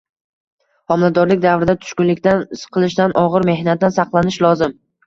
Homiladorlik davrida tushkunlikdan, siqilishdan, og‘ir mehnatdan saqlanish lozim.